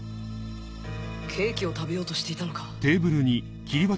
ケーキを食べようとしていたのか